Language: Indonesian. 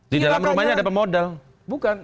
di dalam rumahnya ada pemodal bukan